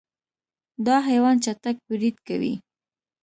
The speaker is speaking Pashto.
دا حیوان چټک برید کوي.